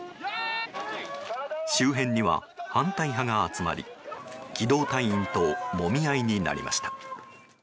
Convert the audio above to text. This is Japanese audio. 周辺には、反対派が集まり機動隊員ともみ合いになりました。